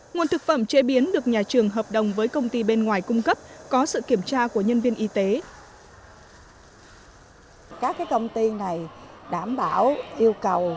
nguồn thực phẩm chế biến được nhà trường hợp đồng với công ty bên ngoài cung cấp có sự kiểm tra của nhân viên y tế